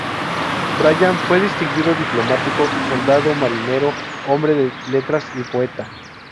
Bryan fue un distinguido diplomático, soldado, marinero, hombre de letras y poeta.